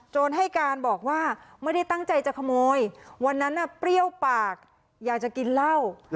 ให้การบอกว่าไม่ได้ตั้งใจจะขโมยวันนั้นเปรี้ยวปากอยากจะกินเหล้า